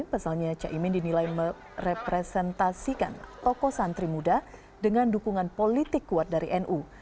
pasalnya caimin dinilai merepresentasikan tokoh santri muda dengan dukungan politik kuat dari nu